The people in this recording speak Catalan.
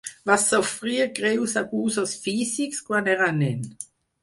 Va sofrir greus abusos físics quan era nen.